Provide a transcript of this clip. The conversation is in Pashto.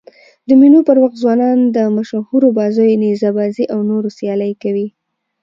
د مېلو پر وخت ځوانان د مشهورو بازيو: نیزه بازي او نورو سيالۍ کوي.